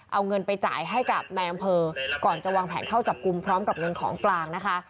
เอาเงินไปจ่ายให้กับนายอำเภอก่อนจะวางแผนเข้าจับกลุ่มพร้อมกับเงินของกลางนะคะ